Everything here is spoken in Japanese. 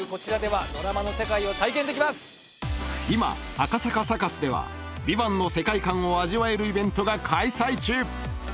赤坂サカスでは「ＶＩＶＡＮＴ」の世界観を味わえるイベントが開催中